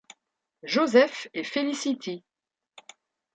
Joseph et Felicity.